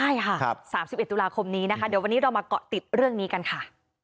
ใช่ค่ะ๓๑ตุลาคมนี้นะคะเดี๋ยววันนี้เรามาเกาะติดเรื่องนี้กันค่ะ